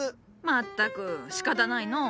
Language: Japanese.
まったくしかたないのう。